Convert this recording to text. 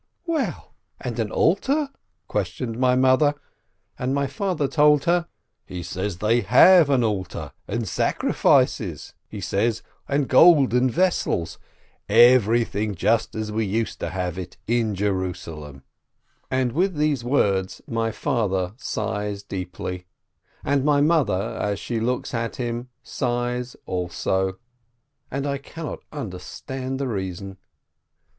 "Well, and an altar?" questioned my mother, and my father told her: "He says they have an altar, and sacrifices, he says, and golden vessels — everything just as we used to have it in Jerusalem." THE PASSOVER GUEST 159 And with these words my father sighs deeply, and my mother, as she looks at 'him, sighs also, and I cannot understand the reason.